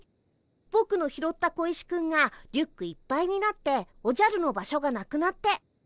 ぼくの拾った小石くんがリュックいっぱいになっておじゃるの場所がなくなって。